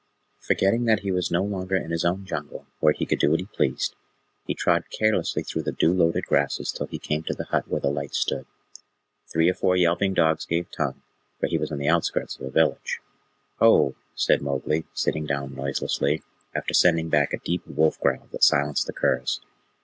Forgetting that he was no longer in his own Jungle, where he could do what he pleased, he trod carelessly through the dew loaded grasses till he came to the hut where the light stood. Three or four yelping dogs gave tongue, for he was on the outskirts of a village. "Ho!" said Mowgli, sitting down noiselessly, after sending back a deep wolf growl that silenced the curs.